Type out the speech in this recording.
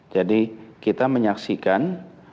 jadi kita menyaksikan